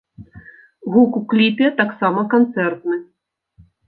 Гук у кліпе таксама канцэртны.